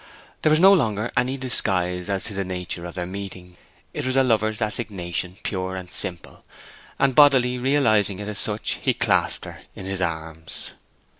There was no longer any disguise as to the nature of their meeting. It was a lover's assignation, pure and simple; and boldly realizing it as such he clasped her in his arms.